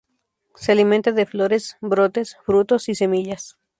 Se alimenta de flores, brotes, frutos y semillas.